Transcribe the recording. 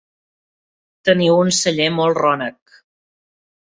Teniu un celler molt rònec.